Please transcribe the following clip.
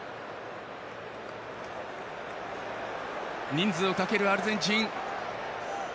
人数をかけるアルゼンチン。